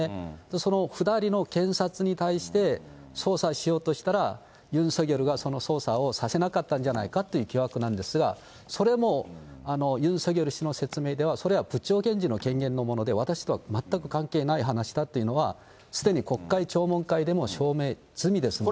その２人の検察に対して、捜査しようとしたらユン・ソギョルがその捜査をさせなかったんじゃないかっていう疑惑なんですが、それもユン・ソギョル氏の説明では、それは部長検事の権限のもので、私とは全く関係ない話だというのは、すでに国会聴聞会でも証明済みですので。